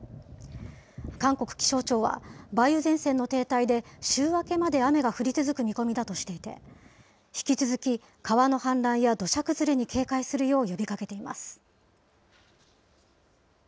韓国気象庁は、梅雨前線の停滞で週明けまで雨が降り続く見込みだとしていて、引き続き川の氾濫や土砂崩れに警戒するよう呼びかけています。